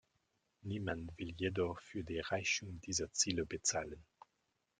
Niemand will jedoch für die Erreichung dieser Ziele bezahlen.